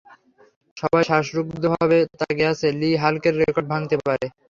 সবাই শ্বাসরুদ্ধভাবে তাকিয়ে আছে, লি হাল্কের রেকর্ড ভাঙতে পারে।